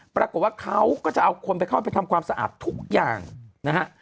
ปรากฏว่าเขาก็จะเอาคนไปเข้าไปทำความสะอาดทุกอย่างนะฮะ